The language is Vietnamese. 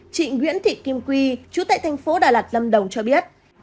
chị nguyễn thị kim quy chú tại thành phố đà lạt lâm đồng cho biết